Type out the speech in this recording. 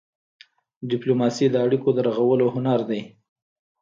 ډيپلوماسي د اړیکو د رغولو هنر دی.